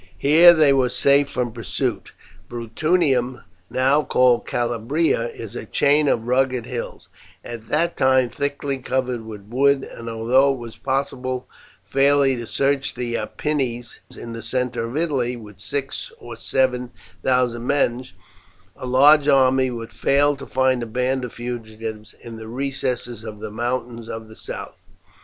Here they were safe from pursuit. Bruttium, now called Calabria, is a chain of rugged hills, at that time thickly covered with wood, and although it was possible fairly to search the Apennines in the centre of Italy with six or seven thousand men, a large army would fail to find a band of fugitives in the recesses of the mountains of the south.